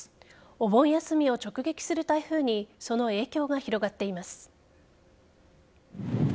お盆休みを直撃する台風にその影響が広がっています。